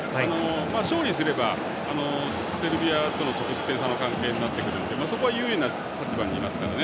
勝利すれば、セルビアとの得失点差の関係になるのでそこは優位な立場にいますからね。